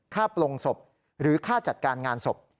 ปลงศพหรือค่าจัดการงานศพ